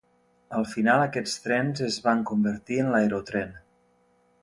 Al final, aquests trens es van convertir en l'aerotrèn.